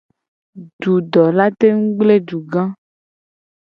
Dudo la tengu gble duga.